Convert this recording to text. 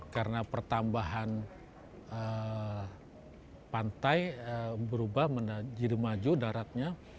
karena pertambahan pantai berubah menjadi maju daratnya